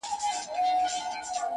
په دې هیله چي کامله مي ایمان سي-